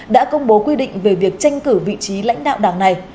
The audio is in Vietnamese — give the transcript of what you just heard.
đã công bố quy định về việc tranh cử vị trí lãnh đạo đảng này